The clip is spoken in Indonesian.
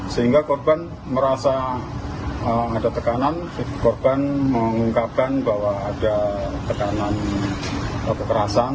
sehingga korban merasa ada tekanan korban mengungkapkan bahwa ada tekanan kekerasan